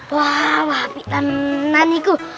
wah wah pitan naniku